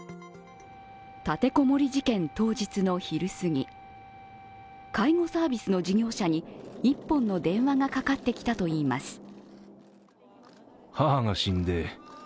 立て籠もり事件当日の昼すぎ介護サービスの事業者に１本の電話がかかってきたといいます。